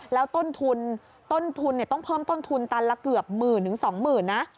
แล้วต้นทุนต้องเพิ่มต้นทุนตันละเกือบหมื่นถึงสองหมื่น